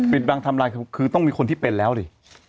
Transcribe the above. ปิดบังทำลายคือต้องมีคนที่เป็นแล้วดิ